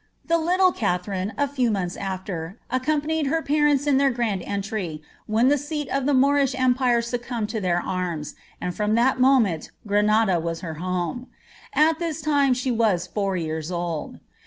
The little Katharine, a few months aAer, accompanied her parents in their grand entry, when the seat of Moorish empire succumbed to their arms, and from that moment Granada was her home. At this time she was four years old.